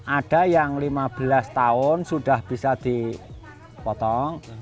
ada yang lima belas tahun sudah bisa dipotong